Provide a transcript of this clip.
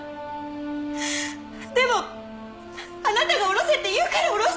でもあなたがおろせって言うからおろしたのよ。